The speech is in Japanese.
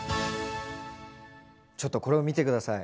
ちょっとこれを見て下さい。